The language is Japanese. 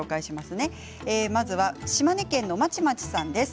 まずは島根県の方からです。